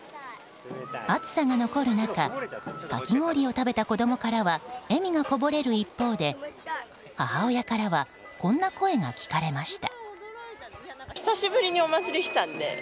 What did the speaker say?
暑さが残る中かき氷を食べた子供からは笑みがこぼれる一方で母親からはこんな声が聞かれました。